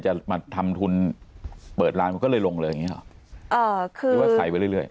จะมาทำทุนเปิดร้านมันก็เลยลงเลยอย่างเงี้หรอคือหรือว่าใส่ไปเรื่อย